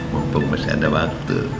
mumpung masih ada waktu